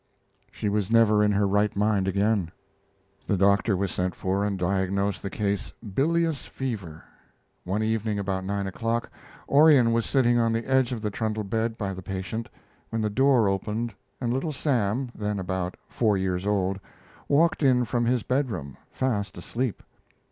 She was never in her right mind again. The doctor was sent for and diagnosed the case "bilious fever." One evening, about nine o'clock, Orion was sitting on the edge of the trundle bed by the patient, when the door opened and Little Sam, then about four years old, walked in from his bedroom, fast asleep.